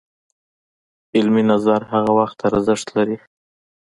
علمي نظر هغه وخت ارزښت لري